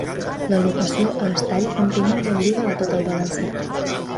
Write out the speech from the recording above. La locució a estall continua ben viva a tot el valencià.